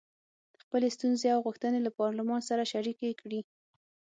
خپلې ستونزې او غوښتنې له پارلمان سره شریکې کړي.